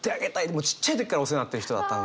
もうちっちゃい時からお世話になってる人だったので。